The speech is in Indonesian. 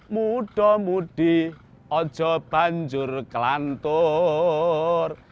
muda mudi ojo banjur kelantur